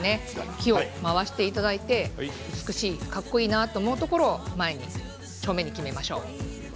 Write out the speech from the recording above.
木を回していただいて、美しいかっこいいなというところを前に正面に決めましょう。